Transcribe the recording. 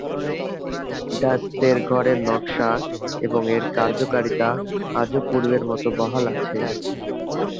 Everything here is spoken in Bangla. ডাচদের ঘরের নকশা এবং এর কার্যকারিতা আজও পূর্বের মত বহাল আছে।